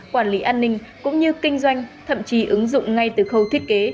quản lý an ninh cũng như kinh doanh thậm chí ứng dụng ngay từ khâu thiết kế